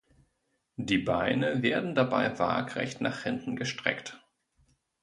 Die Beine werden dabei waagrecht nach hinten gestreckt.